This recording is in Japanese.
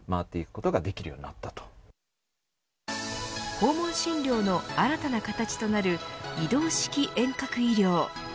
訪問診療の新たな形となる移動式遠隔医療。